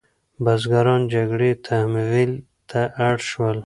بزګران جګړې تمویل ته اړ شول.